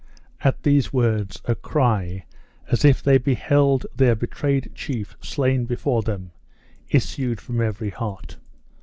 At these words a cry, as if they beheld their betrayed chief slain before them, issued from every heart.